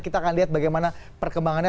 kita akan lihat bagaimana perkembangannya